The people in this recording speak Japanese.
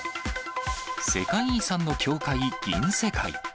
世界遺産の教会銀世界。